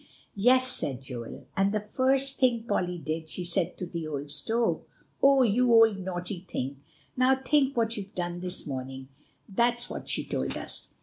"Yes," said Joel; "and the first thing Polly did, she said to the old stove, 'Oh! you old naughty thing, now think what you've done this morning' that's what she told us."